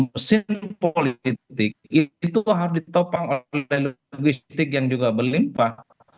mesin politik itu harus ditopang oleh logistik yang juga berlimpah